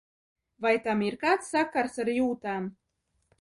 Vai tam ir kāds sakars ar jūtām?